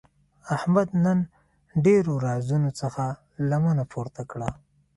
احمد نن د ډېرو رازونو څخه لمنه پورته کړه.